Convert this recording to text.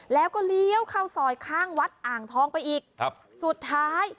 แล้วก็เลี้ยวเข้าซอยข้างวัดอ่างทองไปอีกครับสุดท้าย